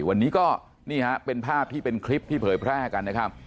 วันนี้ก็นี่ฮะเป็นภาพที่เป็นคลิปที่เผยแพร่กันนะครับ